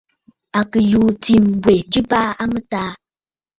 À kɨ̀ yùû ɨ̀tǐ mbwɛ̀ ji baa a mɨtaa.